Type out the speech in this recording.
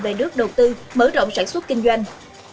về nước đầu tư mở rộng sản xuất kinh doanh